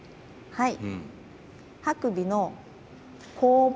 はい。